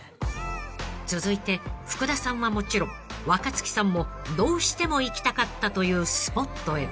［続いて福田さんはもちろん若槻さんもどうしても行きたかったというスポットへ］